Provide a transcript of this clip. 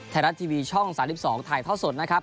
ไทยรัฐทีวีช่อง๓๒ถ่ายท่อสดนะครับ